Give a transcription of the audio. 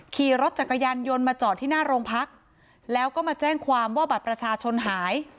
ขี่รถจักรยานยนต์มาจอดที่หน้าโรงพักแล้วก็มาแจ้งความว่าบัตรประชาชนหาย